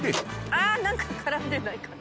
あぁなんか絡んでないかな？